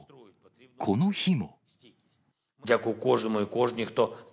この日も。